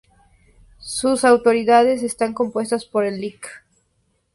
Sus autoridades están compuestas por el Lic.